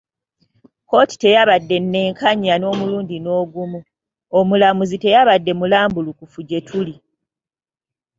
Ekkooti teyabadde nnenkanya n’omulundi n’ogumu, omulamuzi teyabadde mulambulukufu gye tuli.